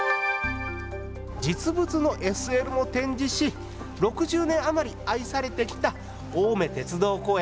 実物のＳＬを展示し、６０年余り愛されてきた青梅鉄道公園。